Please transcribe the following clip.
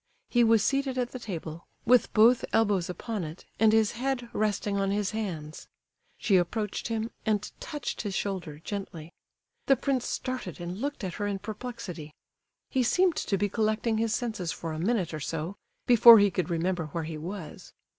He was seated at the table, with both elbows upon it, and his head resting on his hands. She approached him, and touched his shoulder gently. The prince started and looked at her in perplexity; he seemed to be collecting his senses for a minute or so, before he could remember where he was.